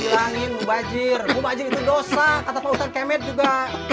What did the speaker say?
ya silahkan mau bajer mau bajer itu dosa kata pak utan kemet juga